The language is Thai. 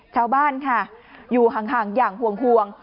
ชาวบ้านค่ะอยู่ห่างอย่างห่วง